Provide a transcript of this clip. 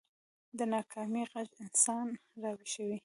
د ناکامۍ غږ انسان راويښوي